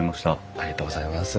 ありがとうございます。